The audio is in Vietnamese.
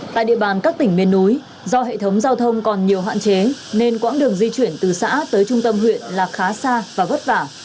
tại địa bàn các tỉnh miền núi do hệ thống giao thông còn nhiều hạn chế nên quãng đường di chuyển từ xã tới trung tâm huyện là khá xa và vất vả